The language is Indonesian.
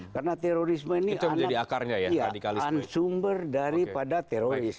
karena teroris ini anak sumber daripada teroris